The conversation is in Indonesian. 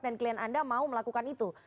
dan klien anda mau melakukan itu